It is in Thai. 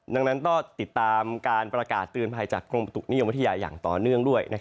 ดังนั้นต้องติดตามการประกาศเตือนภัยจากกรมประตุนิยมวิทยาอย่างต่อเนื่องด้วย